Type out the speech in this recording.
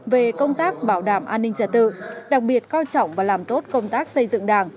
về công tác bảo đảm an ninh trật tự đặc biệt coi trọng và làm tốt công tác xây dựng đảng